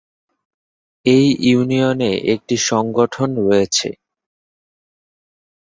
এই ইউনিয়নে একটি সংগঠন রয়েছে।